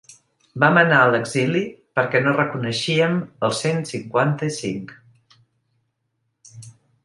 Vam anar a l’exili perquè no reconeixíem el cent cinquanta-cinc.